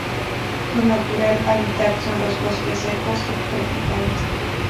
Su natural hábitat son los bosques secos subtropicales.